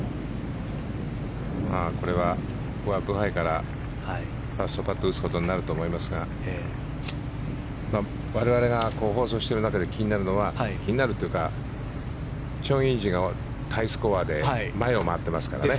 ここはブハイからファーストパットを打つことになると思いますが我々が放送している中で気になるのは気になるというかチョン・インジがタイスコアで前を回っていますからね。